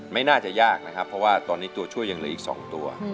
ไม่น่าจะยากนะครับเพราะว่าตอนนี้ตัวช่วยยังเหลืออีก๒ตัว